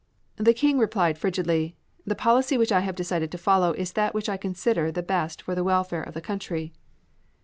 The King replied frigidly, "The policy which I have decided to follow is that which I consider the best for the welfare of the country."